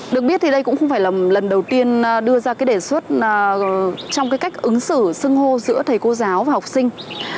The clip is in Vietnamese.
được biết thì đây cũng không phải là lần đầu tiên đưa ra cái đề xuất trong cái cách ứng xử sưng hô giữa thầy cô giáo và học sinh